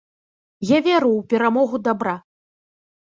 Я веру ў перамогу дабра.